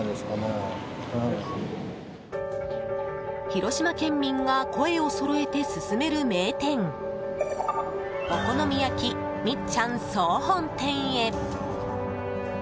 広島県民が声をそろえて勧める名店お好み焼みっちゃん総本店へ。